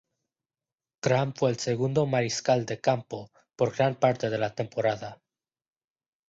Graham fue el segundo mariscal de campo por gran parte de la temporada.